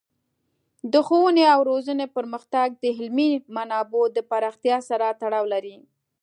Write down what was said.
د ښوونې او روزنې پرمختګ د علمي منابعو د پراختیا سره تړاو لري.